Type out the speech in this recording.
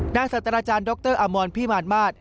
หน้าสัตราจารย์ดรอัมวลพี่มานมาท